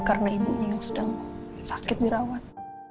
karena ibunya yang sedang sakit dirawat